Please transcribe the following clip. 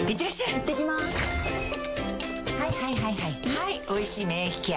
はい「おいしい免疫ケア」